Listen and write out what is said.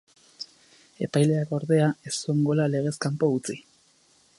Epaileak, ordea, ez zuen gola legez kanpo utzi.